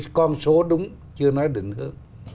cái con số đúng chưa nói định hướng